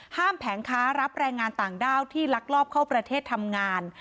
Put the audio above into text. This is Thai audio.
แผงค้ารับแรงงานต่างด้าวที่ลักลอบเข้าประเทศทำงาน